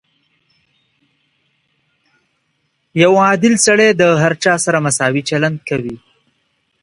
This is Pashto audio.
• یو عادل سړی د هر چا سره مساوي چلند کوي.